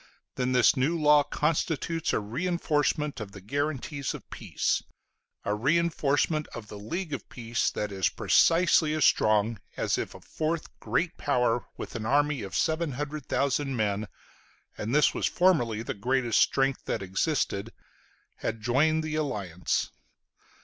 then this new law constitutes a reinforcement of the guarantees of peace, a reinforcement of the league of peace, that is precisely as strong as if a fourth great power with an army of 700,000 men and this was formerly the greatest strength that existed had joined the alliance.